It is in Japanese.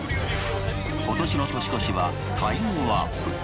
今年の年越しはタイムワープ。